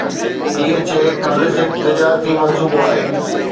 DHA خالص هڪ تجارتي منصوبو آهي.